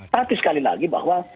tapi sekali lagi bahwa